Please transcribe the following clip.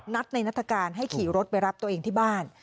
ในนัฐกาลให้ขี่รถไปรับตัวเองที่บ้าน